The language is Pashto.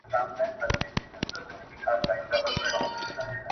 یو څو ورځي یې خالي راوړل دامونه.